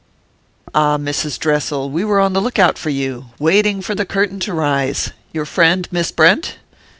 X "AH, Mrs. Dressel, we were on the lookout for you waiting for the curtain to rise. Your friend Miss Brent?